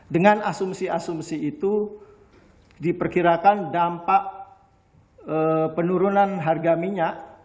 dengan asumsi asumsi itu diperkirakan dampak penurunan harga minyak